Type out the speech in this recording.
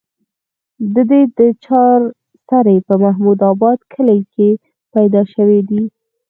دے د چارسرې پۀ محمود اباد کلي کښې پېدا شوے دے